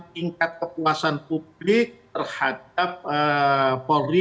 tingkat kepuasan publik terhadap polri